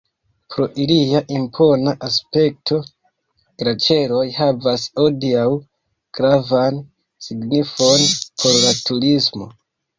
Pro ilia impona aspekto glaĉeroj havas hodiaŭ gravan signifon por la turismo.